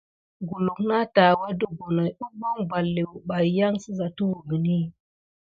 Kulu na tuwunka ɗe bonoki huvon balté bebaye kidiko tiwukini.